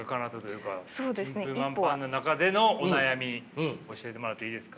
順風満帆な中でのお悩み教えてもらっていいですか。